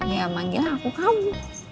ya manggil aku kamu